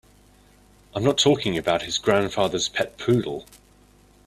I'm not talking about his grandfather's pet poodle.